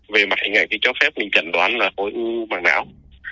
về mặt hình ảnh thì cho phép mình chẳng đoán là khối u bằng đạo